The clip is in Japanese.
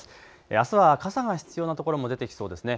あすは傘が必要なところも出てきそうですね。